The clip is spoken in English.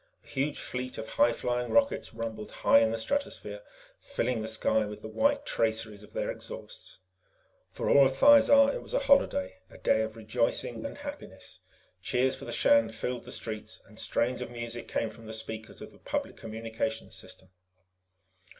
A huge fleet of high flying rockets rumbled high in the stratosphere, filling the sky with the white traceries of their exhausts. For all of Thizar, it was a holiday, a day of rejoicing and happiness. Cheers for the Shan filled the streets, and strains of music came from the speakers of the public communications system.